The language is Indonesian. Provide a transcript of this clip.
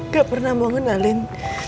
gak pernah mau ngenalin